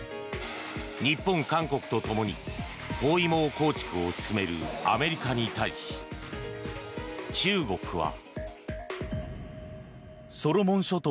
日本、韓国と共に包囲網構築を進めるアメリカに対し、中国は。